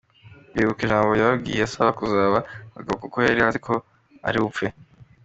Bibuka ijambo yababwiye abasaba kuzaba abagabo kuko yari azi ko ari bupfe.